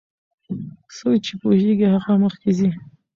څوک چې پوهیږي هغه مخکې ځي.